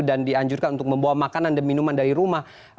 dan dianjurkan untuk membawa makanan dan minuman dari rumah